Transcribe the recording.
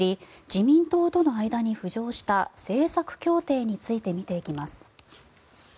自民党との間に浮上した政策協定について見ていきます。